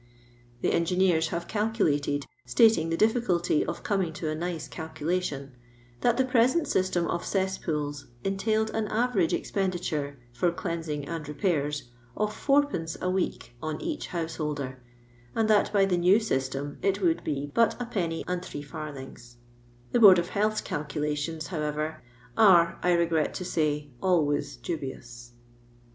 The engineers have calculated — stating the difficulty of coming to a nice calculation — that the present system of cesspools entailed an average expenditure, for cleansing and repairs, of id, a week on each householder ; and that by the new system it would be but l^d. The Board oi Health's calculations, however, are, I regret to say, always dubious.